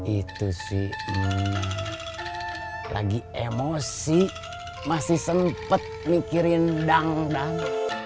itu sih lagi emosi masih sempet mikirin dangdang